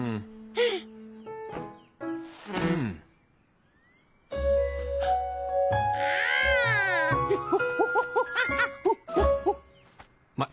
えっ？